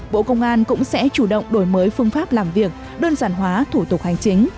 bộ công an cũng sẽ chủ động đổi mới phương pháp làm việc đơn giản hóa thủ tục hành chính